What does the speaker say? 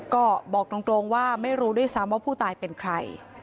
ก็บอกตรงว่าไม่รู้ด้วยซ้ำว่าผู้ตายเป็นใคร